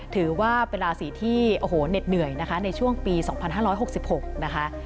ถือว่าเป็นราศีที่เน็ตเหนื่อยในช่วงปี๒๕๖๖นะคะ